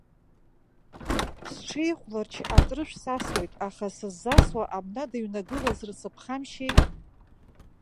Сҽеихәларч атрышә сасуеит, аха сыззасуа абна дыҩнагылазар сыԥхамшьеи.